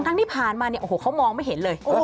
ทั้งที่ผ่านมาเขามองไม่เห็นเลย